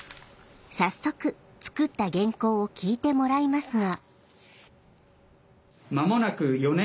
早速作った原稿を聞いてもらいますが。